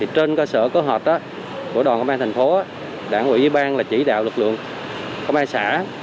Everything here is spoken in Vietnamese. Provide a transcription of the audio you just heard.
trên cơ sở cơ hợp của đoàn công an thành phố đảng ủy ủy ban chỉ đạo lực lượng công an xã